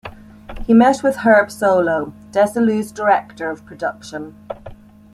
He met with Herb Solow, Desilu's Director of Production.